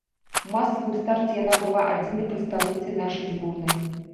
У масавым старце яна была адзінай прадстаўніцай нашай зборнай.